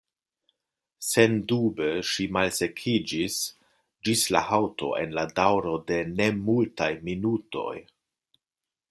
Sendube ŝi malsekiĝis ĝis la haŭto en la daŭro de nemultaj minutoj.